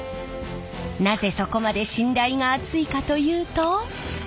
なぜそこまで信頼が厚いかというと。